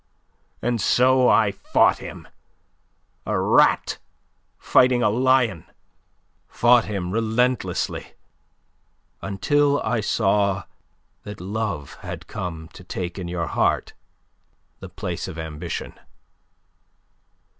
And so I fought him a rat fighting a lion fought him relentlessly until I saw that love had come to take in your heart the place of ambition.